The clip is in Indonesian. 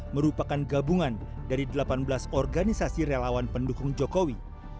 merupakan gabungan dari delapan belas organisasi relawan pendukung jokowi